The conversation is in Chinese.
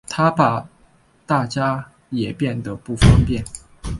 她怕大家也变得不方便